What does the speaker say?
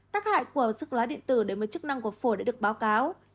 tác hại của thuốc lá điện tử đến với chức năng của phổi đã được báo cáo